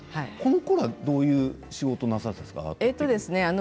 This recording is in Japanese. このころはどういう仕事をなさっていたんですか？